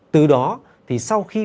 từ đó thì sau khi